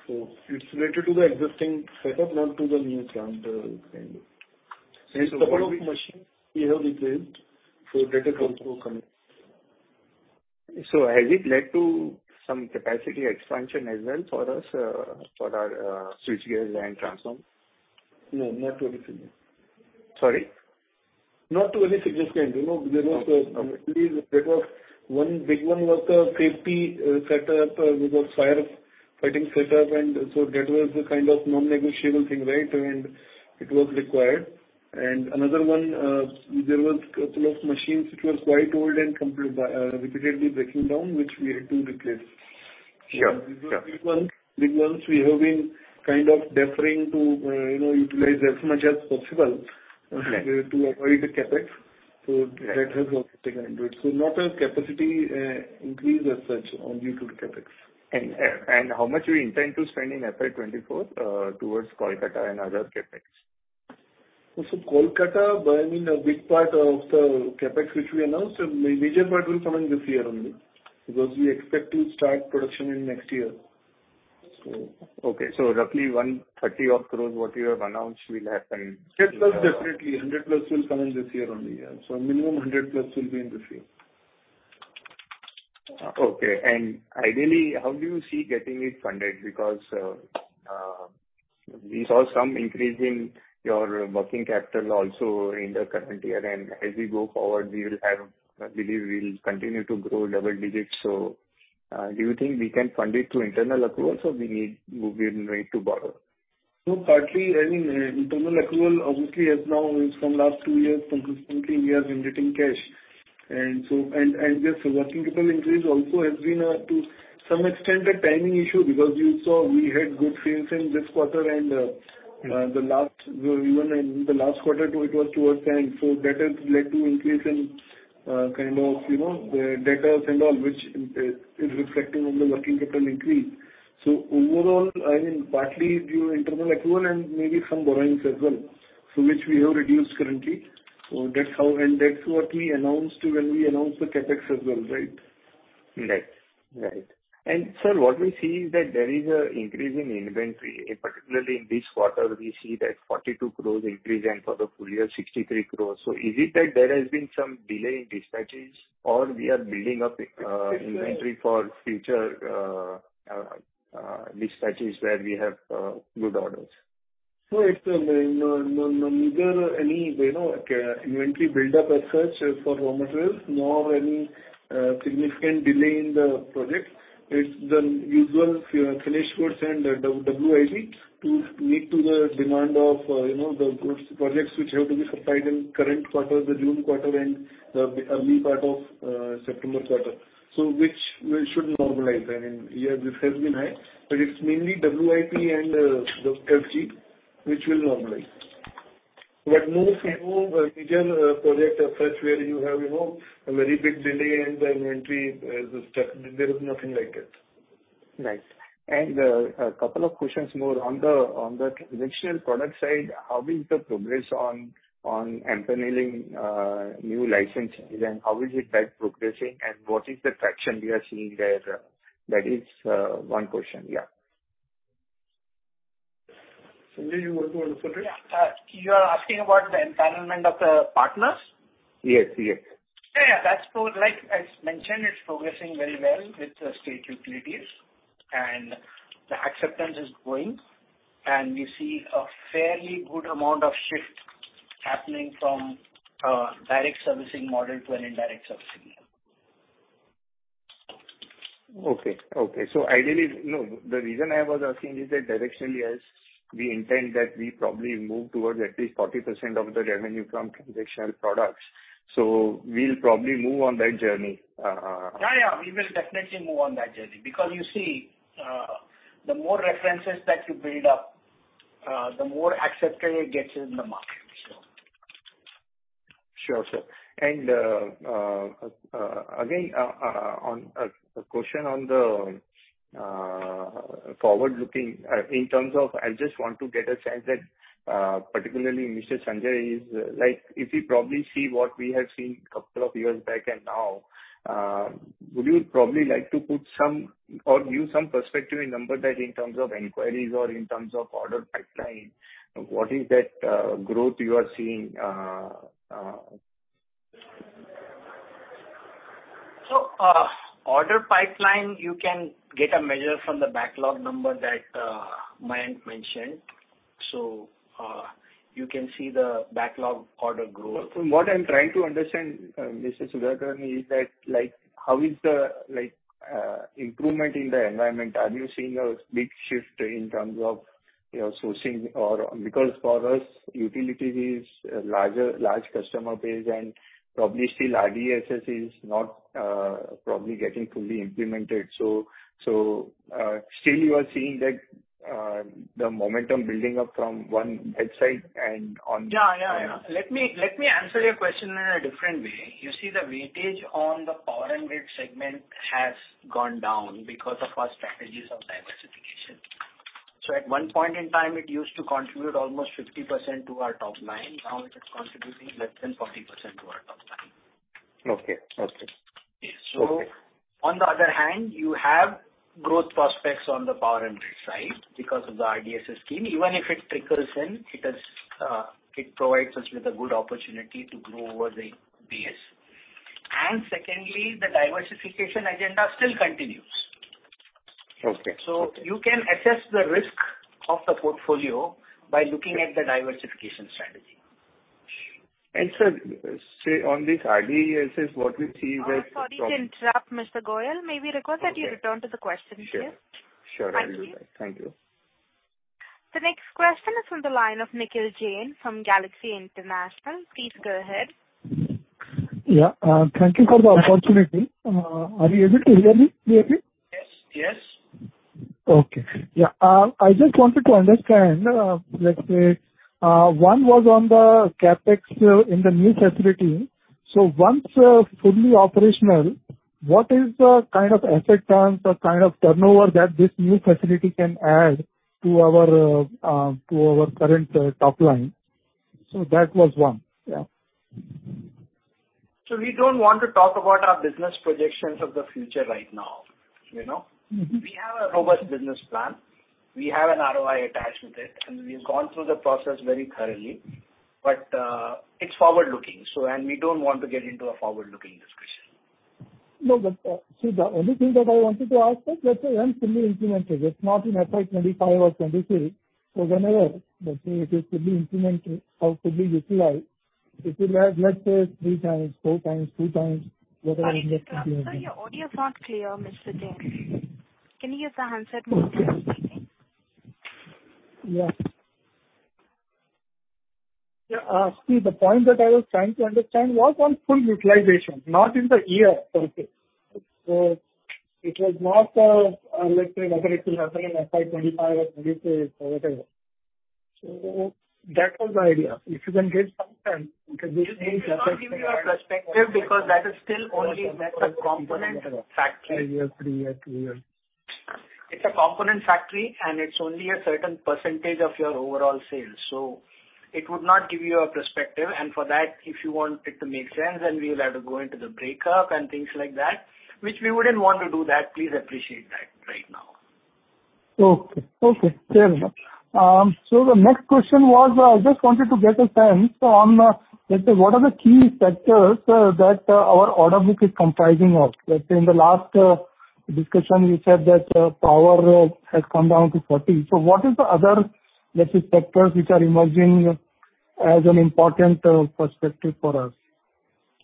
It's related to the existing setup, not to the new plant, kind of. Okay. Couple of machines we have replaced, so that is also coming. Has it led to some capacity expansion as well for us, for our, switchgears and transformers? No, not to any significant. Sorry? Not to any significant. You know, there was. Okay. Okay. Actually that was one big one was the safety setup. It was firefighting setup. That was the kind of non-negotiable thing, right? It was required. Another one, there was couple of machines which were quite old and completely repeatedly breaking down, which we had to replace. Sure. Yeah. These were big ones we have been kind of deferring to, you know, utilize as much as possible. Okay. to avoid the CapEx. That has also taken into it. Not a capacity, increase as such on due to the CapEx. How much we intend to spend in FY 2024, towards Kolkata and other CapEx? Kolkata, I mean, a big part of the CapEx which we announced, a major part will come in this year only because we expect to start production in next year, so. Okay. roughly 130 odd crores what you have announced will happen. 100+ definitely. 100+ will come in this year only. Yeah. Minimum 100+ will be in this year. Ideally, how do you see getting it funded? We saw some increase in your working capital also in the current year, and as we go forward, I believe we will continue to grow double digits. Do you think we can fund it through internal accruals or we might need to borrow? Partly, I mean, internal accrual obviously has now from last two years consistently we are generating cash. This working capital increase also has been to some extent a timing issue because you saw we had good sales in this quarter and the last, even in the last quarter too it was towards the end. That has led to increase in, kind of, you know, the debtors and all, which is reflecting on the working capital increase. Overall, I mean, partly due internal accrual and maybe some borrowings as well, so which we have reduced currently. That's how. That's what we announced when we announced the CapEx as well, right? Right. Right. Sir, what we see is that there is a increase in inventory. Particularly in this quarter we see that 42 crore increase and for the full year 63 crore. Is it that there has been some delay in dispatches or we are building up inventory for future dispatches where we have good orders? No, it's not any, you know, inventory buildup as such for raw materials, nor any significant delay in the projects. It's the usual finished goods and WIP to meet to the demand of, you know, the goods, projects which have to be supplied in current quarter, the June quarter and the early part of September quarter. Which we should normalize. I mean, yeah, this has been high, but it's mainly WIP and the FG which will normalize. No, no major project as such where you have, you know, a very big delay in the inventory, the stock. There is nothing like it. Right. A couple of questions more. On the transactional product side, how is the progress on empaneling new licenses and how is it that progressing and what is the traction we are seeing there? That is one question. Yeah. Sanjay, you want to answer it? Yeah. you are asking about the empanelment of the partners? Yes, yes. Yeah. That's going like as mentioned, it's progressing very well with the state utilities and the acceptance is growing and we see a fairly good amount of shift happening from direct servicing model to an indirect servicing model. Okay. Okay. Ideally... No, the reason I was asking is that directionally as we intend that we probably move towards at least 40% of the revenue from transactional products, so we'll probably move on that journey. Yeah, yeah. We will definitely move on that journey because you see, the more references that you build up, the more accepted it gets in the market, so. Sure, sir. Again, on a question on the forward-looking, in terms of I just want to get a sense that, particularly Mr. Sanjay is like if we probably see what we have seen two years back and now, would you probably like to put some or give some perspective in numbers like in terms of inquiries or in terms of order pipeline, what is that growth you are seeing? Order pipeline you can get a measure from the backlog number that Mayank mentioned. You can see the backlog order growth. What I'm trying to understand, Mr. Sugathan is that like how is the like improvement in the environment? Are you seeing a big shift in terms of, you know, sourcing or... Because for us utility is a larger customer base and probably still RDSS is not probably getting fully implemented. Still you are seeing that the momentum building up from one website and on- Yeah, yeah. Let me answer your question in a different way. You see the weightage on the power and grid segment has gone down because of our strategies of diversification. At one point in time it used to contribute almost 50% to our top line. Now it is contributing less than 40% to our top line. Okay. Okay. On the other hand you have growth prospects on the power and grid side because of the RDSS scheme. Even if it trickles in it is, it provides us with a good opportunity to grow over the base. Secondly the diversification agenda still continues. Okay. You can assess the risk of the portfolio by looking at the diversification strategy. Sir, say on this RDSS what we see. Sorry to interrupt Mr. Goyal. May we request that you return to the questions please? Sure, sure. Thank you. I will. Thank you. The next question is from the line of Nikhil Jain from Galaxy International. Please go ahead. Yeah, thank you for the opportunity. Are you able to hear me clearly? Yes. Yes. Okay. Yeah. I just wanted to understand, let's say, one was on the CapEx in the new facility. Once fully operational, what is the kind of asset turns or kind of turnover that this new facility can add to our current top line? That was one. Yeah. We don't want to talk about our business projections of the future right now, you know. Mm-hmm. We have a robust business plan. We have an ROI attached with it, and we've gone through the process very thoroughly. It's forward-looking, we don't want to get into a forward-looking discussion. See, the only thing that I wanted to ask is let's say when fully implemented, it's not in FY 2025 or 2026. Whenever, let's say it is fully implemented or fully utilized, if you have, let's say 3x, 4x, 2x, whatever. Sorry to interrupt. Sir, your audio's not clear, Mr. Jain. Can you use a handset maybe? Okay. Yeah. Yeah, see, the point that I was trying to understand was on full utilization, not in the year 2020. It was not, let's say whether it will happen in FY 2025 or 2026 or whatever. That was my idea. If you can give some sense because It will not give you a perspective because that is still only a component factory. Three year, two year. It's a component factory, and it's only a certain percentage of your overall sales. It would not give you a perspective. For that, if you want it to make sense, we will have to go into the breakup and things like that, which we wouldn't want to do that. Please appreciate that right now. Okay. Okay, fair enough. The next question was, I just wanted to get a sense on, let's say, what are the key sectors, that, our order book is comprising of? Let's say in the last, discussion, you said that, power has come down to 40. What is the other, let's say, sectors which are emerging as an important, perspective for us?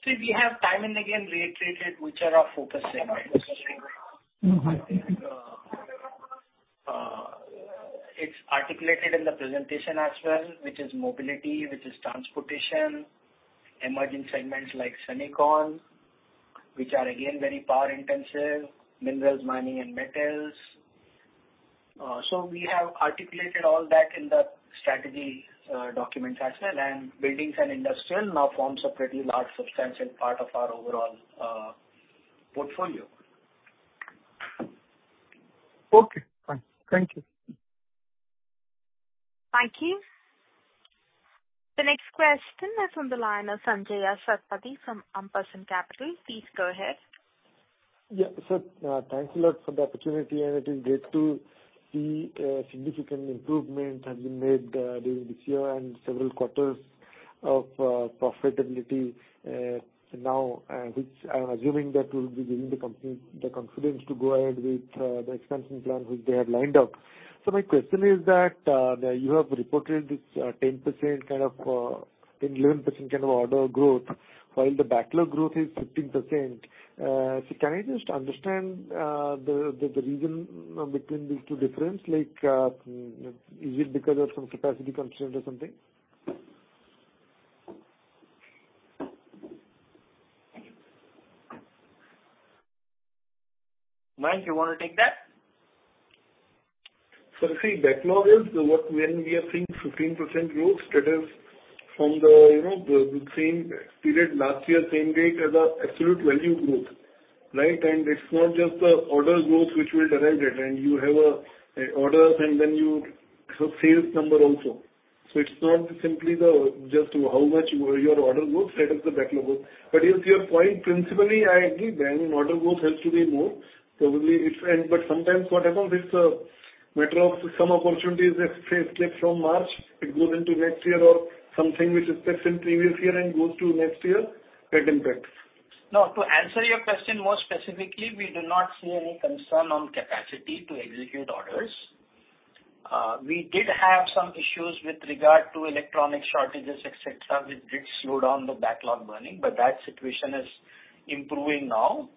See, we have time and again reiterated which are our focus segments. Mm-hmm. it's articulated in the presentation as well, which is mobility, which is transportation, emerging segments like semicon, which are again very power intensive, minerals, mining and metals. We have articulated all that in the strategy documents as well. Buildings and industrial now forms a pretty large substantial part of our overall portfolio. Okay, fine. Thank you. Thank you. The next question is on the line of Sanjaya Satapathy from Ampersand Capital. Please go ahead. Sir, thanks a lot for the opportunity and it is great to see significant improvement has been made during this year and several quarters of profitability now, which I'm assuming that will be giving the confidence to go ahead with the expansion plan which they have lined up. My question is that, you have reported this 10% kind of 10%-11% kind of order growth while the backlog growth is 15%. Can I just understand the reason between these two difference, like, is it because of some capacity constraint or something? Mayank, you wanna take that? See, backlog is what when we are seeing 15% growth, that is from the, you know, the same period last year, same rate as a absolute value growth, right? It's not just the order growth which will derive it. You have a order and then sales number also. It's not simply the just how much your order grows, that is the backlog growth. Yes, your point principally I agree. I mean, order growth has to be more. Probably sometimes what happens, it's a matter of some opportunities that say slipped from March, it goes into next year or something which is set in previous year and goes to next year that impacts. To answer your question more specifically, we do not see any concern on capacity to execute orders. We did have some issues with regard to electronic shortages, et cetera, which did slow down the backlog burning. That situation is improving now.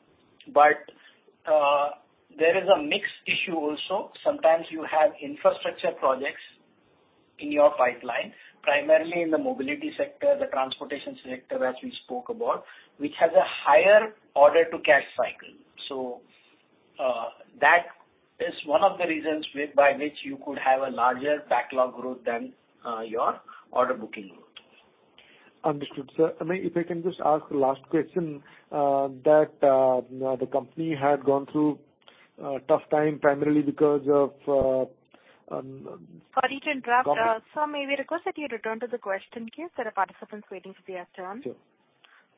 There is a mixed issue also. Sometimes you have infrastructure projects in your pipeline, primarily in the mobility sector, the transportations sector as we spoke about, which has a higher order to cash cycle. That is one of the reasons whereby which you could have a larger backlog growth than your order booking growth. Understood, sir. I mean, if I can just ask the last question, that the company had gone through a tough time primarily because of. Sorry to interrupt. Sir, may we request that you return to the question queue? There are participants waiting for their turn. Sure.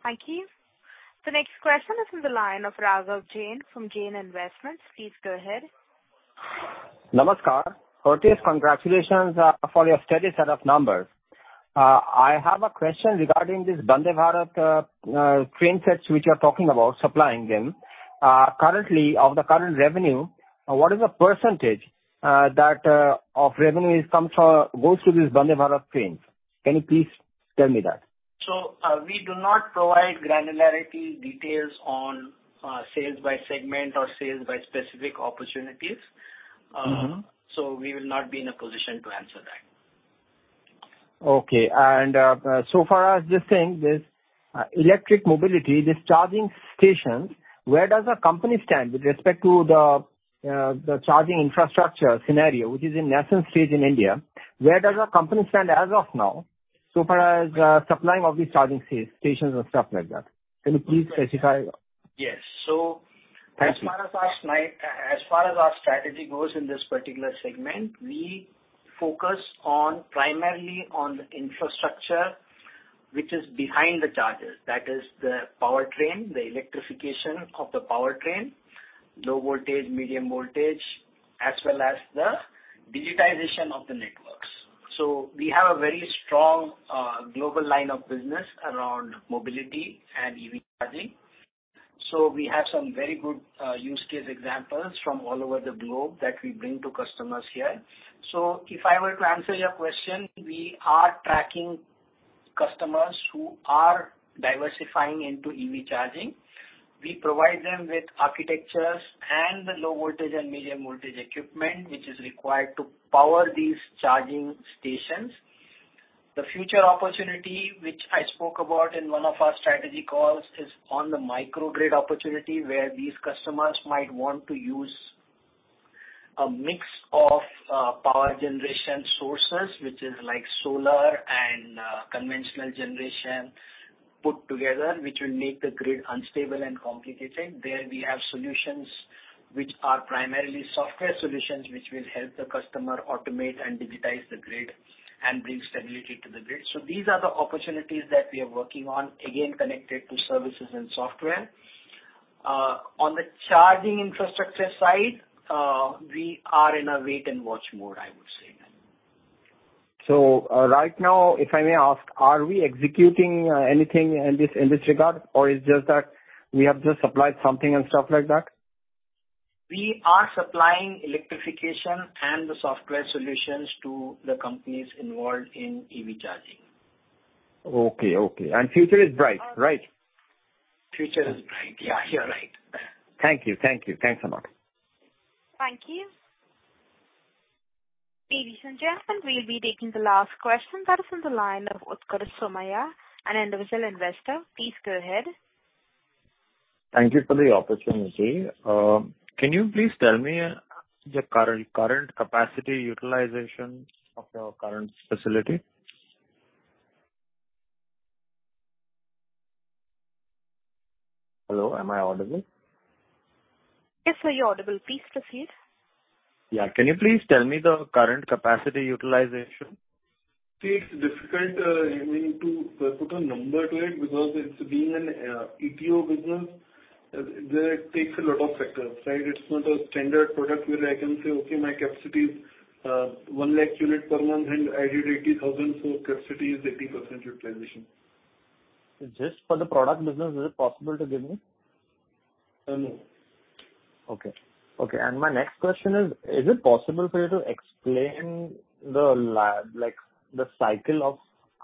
Thank you. The next question is from the line of Raghav Jain from Jain Investments. Please go ahead. Namaskar. Kudos, congratulations, for your steady set of numbers. I have a question regarding this Vande Bharat train sets which you are talking about supplying them. Currently, of the current revenue, what is the percentage that of revenue goes to these Vande Bharat trains? Can you please tell me that? We do not provide granularity details on sales by segment or sales by specific opportunities. Mm-hmm. We will not be in a position to answer that. Okay. so far as this thing, this, electric mobility, this charging stations, where does the company stand with respect to the charging infrastructure scenario, which is in nascent stage in India? Where does the company stand as of now so far as, supplying of these charging stations and stuff like that? Can you please specify? Yes. Thank you. As far as our strategy goes in this particular segment, we focus on primarily on the infrastructure which is behind the chargers. That is the powertrain, the electrification of the powertrain, low voltage, medium voltage, as well as the digitization of the networks. We have a very strong global line of business around mobility and EV charging. We have some very good use case examples from all over the globe that we bring to customers here. If I were to answer your question, we are tracking customers who are diversifying into EV charging. We provide them with architectures and the low voltage and medium voltage equipment which is required to power these charging stations. The future opportunity, which I spoke about in one of our strategy calls, is on the microgrid opportunity, where these customers might want to use a mix of power generation sources, which is like solar and conventional generation put together, which will make the grid unstable and complicated. There we have solutions which are primarily software solutions, which will help the customer automate and digitize the grid and bring stability to the grid. These are the opportunities that we are working on, again, connected to services and software. On the charging infrastructure side, we are in a wait and watch mode, I would say. Right now, if I may ask, are we executing anything in this, in this regard? Or it's just that we have just supplied something and stuff like that? We are supplying electrification and the software solutions to the companies involved in EV charging. Okay. Okay. Future is bright, right? Future is bright. Yeah, you're right. Thank you. Thank you. Thanks a lot. Thank you. Ladies and gentlemen, we'll be taking the last question that is on the line of Utkarsh Somaiya, an individual investor. Please go ahead. Thank you for the opportunity. Can you please tell me the current capacity utilization of your current facility? Hello, am I audible? Yes sir, you're audible. Please proceed. Yeah. Can you please tell me the current capacity utilization? It's difficult, I mean, to put a number to it because it's been an ATO business. There it takes a lot of factors, right? It's not a standard product where I can say, "Okay, my capacity is, 1 lakh unit per month and added 80,000, so capacity is 80% utilization. Just for the product business, is it possible to give me? No. Okay. Okay. My next question is it possible for you to explain like, the cycle of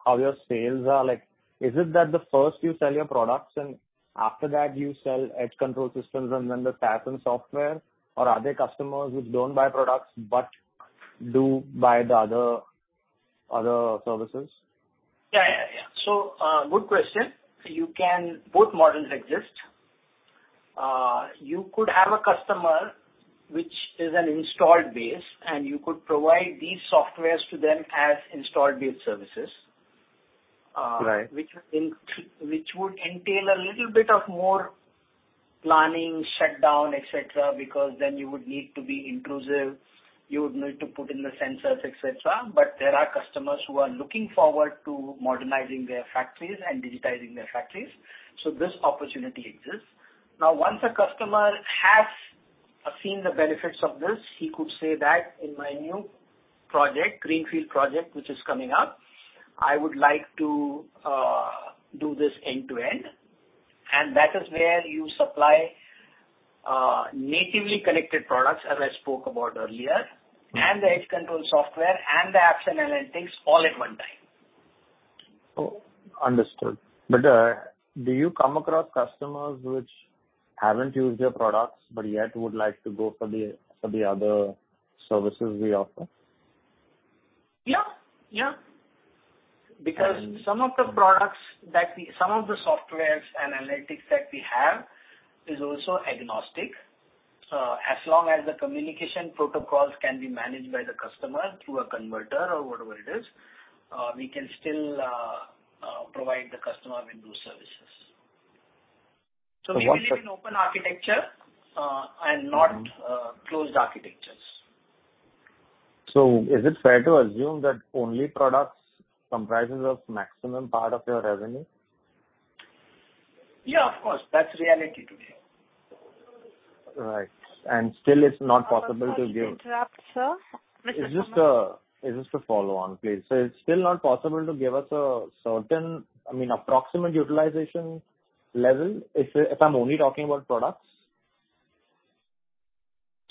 how your sales are like? Is it that the first you sell your products and after that you sell edge control systems and then the apps and software? Or are there customers which don't buy products but do buy the other services? Yeah, yeah. Good question. Both models exist. You could have a customer which is an installed base, and you could provide these softwares to them as installed base services. Right. which would entail a little bit of more planning, shutdown, et cetera, because then you would need to be intrusive. You would need to put in the sensors, et cetera. There are customers who are looking forward to modernizing their factories and digitizing their factories, so this opportunity exists. Once a customer has seen the benefits of this, he could say that, "In my new project, greenfield project which is coming up, I would like to do this end to end." That is where you supply natively connected products, as I spoke about earlier, and the edge control software and the apps and analytics all at one time. Oh, understood. Do you come across customers which haven't used your products but yet would like to go for the other services we offer? Yeah, yeah. Because some of the products that we. Some of the softwares and analytics that we have is also agnostic. As long as the communication protocols can be managed by the customer through a converter or whatever it is, we can still provide the customer with those services. one such- We believe in open architecture. Mm-hmm. closed architectures. Is it fair to assume that only products comprises of maximum part of your revenue? Yeah, of course. That's reality today. Right. Still it's not possible to. Sorry to interrupt, Sir. Mr. Somaiya. It's just a follow on, please. It's still not possible to give us a certain, I mean, approximate utilization level if I'm only talking about products?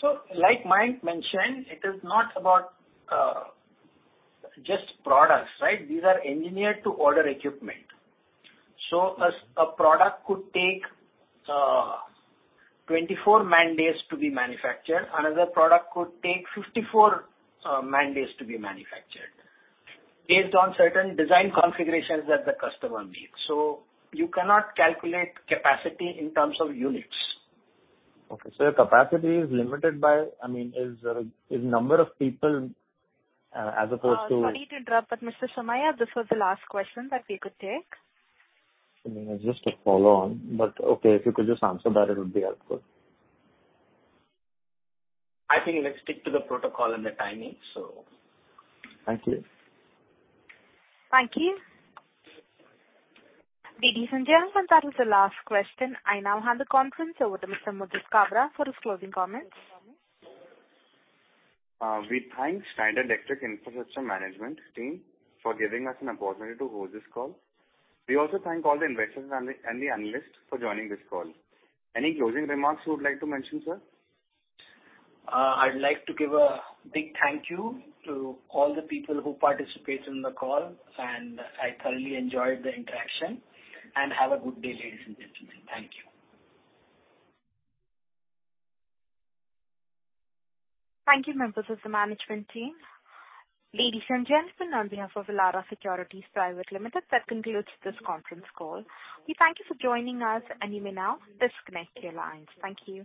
Like Mayank mentioned, it is not about just products, right? These are engineered to order equipment. A product could take 24 man-days to be manufactured. Another product could take 54 man-days to be manufactured based on certain design configurations that the customer needs. You cannot calculate capacity in terms of units. Okay. Your capacity is limited by, I mean, is number of people, as opposed to. Sorry to interrupt, but Mr. Somaiya, this was the last question that we could take. I mean, it's just a follow on, but okay, if you could just answer that, it would be helpful. I think let's stick to the protocol and the timing, so. Thank you. Thank you. Ladies and gentlemen, that was the last question. I now hand the conference over to Mr. Mudit Kabra for his closing comments. We thank Schneider Electric Infrastructure Management team for giving us an opportunity to host this call. We also thank all the investors and the analysts for joining this call. Any closing remarks you would like to mention, sir? I'd like to give a big thank you to all the people who participated in the call, and I thoroughly enjoyed the interaction. Have a good day, ladies and gentlemen. Thank you. Thank you, members of the management team. Ladies and gentlemen, on behalf of Elara Securities Private Limited, that concludes this conference call. We thank you for joining us, and you may now disconnect your lines. Thank you.